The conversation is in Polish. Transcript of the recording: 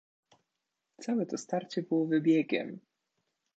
"Całe to starcie było wybiegiem."